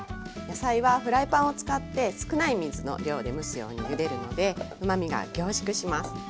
野菜はフライパンを使って少ない水の量で蒸すようにゆでるのでうまみが凝縮します。